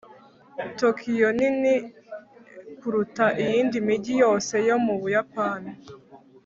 tokiyo nini kuruta iyindi mijyi yose yo mu buyapani